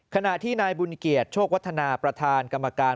ขณะที่นายบุญเกียรติโชควัฒนาประธานกรรมการ